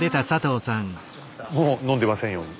もう飲んでませんように。